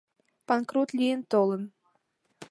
— Панкрут лийын толын.